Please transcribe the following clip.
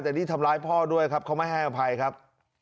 แต่นี่ทำร้ายพ่อด้วยครับเขาไม่ให้อภัยครับ